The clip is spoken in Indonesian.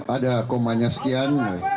ada komanya sekian